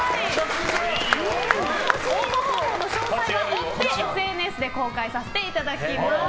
応募方法の詳細は追ってホームページで公開させていただきます。